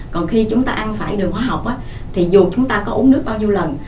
còn khi chúng ta ăn phải đường hóa học thì dù chúng ta có uống nước bao nhiêu lần